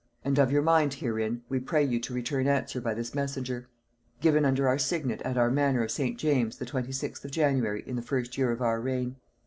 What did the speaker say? And of your mind herein we pray you to return answer by this messenger. "Given under our signet at our manor of St. James's the 26th of January in the 1st year of our reign.